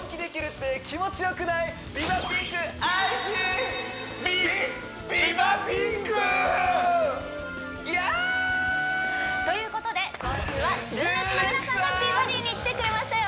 こということで今週は純烈の皆さんが「美バディ」に来てくれましたよ